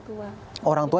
dari orang tua